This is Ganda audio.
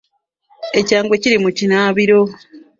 Ekyangwe kiri mu kinaabiro.